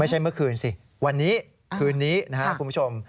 ไม่ใช่เมื่อคืนสิวันนี้คืนนี้นะฮะคุณผู้ชม